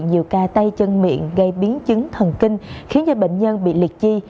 vì nhiều ca tay chân miệng gây biến chứng thần kinh khiến bệnh nhân bị liệt chi